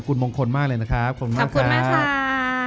คุณมงคลมากเลยนะครับขอบคุณมากครับ